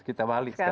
sekitar bali sekarang